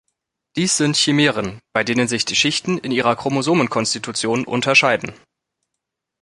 Dies sind Chimären, bei denen sich die Schichten in ihrer Chromosomenkonstitution unterscheiden.